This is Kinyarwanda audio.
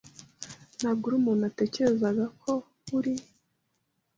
Ntabwo uri umuntu natekerezaga ko uri.